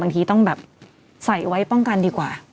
บางทีต้องใส่ไว้ป้องการดีกว่า